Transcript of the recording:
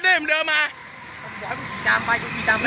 เดินมาเดินมาดิเดินมา